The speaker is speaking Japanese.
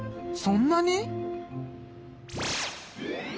そんなに？